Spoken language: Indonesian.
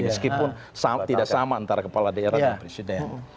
meskipun tidak sama antara kepala daerah dan presiden